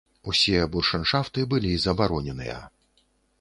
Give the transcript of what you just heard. Усе буршэншафты былі забароненыя.